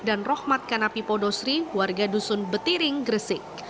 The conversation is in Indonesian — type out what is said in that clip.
dan rohmat kanapi podosri warga dusun betiring gresik